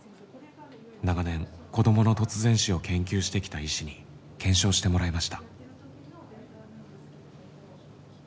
長年子どもの突然死を研究してきた医師に検証してもらいました。